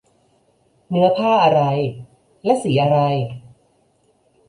เนื้อผ้าอะไร และสีอะไร